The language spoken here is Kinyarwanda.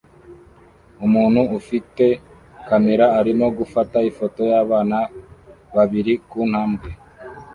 Umuntu ufite kamera arimo gufata ifoto yabana babiri kuntambwe